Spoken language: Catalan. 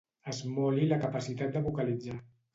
Esmoli la capacitat de vocalitzar.